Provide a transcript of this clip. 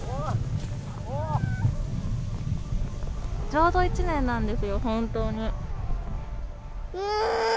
ちょうど１年なんですよ、本当に。